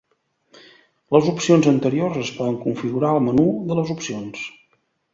Les opcions anteriors es poden configurar al menú de les opcions.